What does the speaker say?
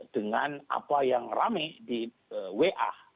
dengan apa yang rame di wa